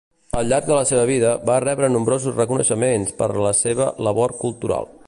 Al llarg de la seva vida va rebre nombrosos reconeixements per la seva labor cultural.